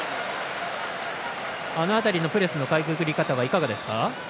あの辺りのプレスのかいくぐり方いかがですか？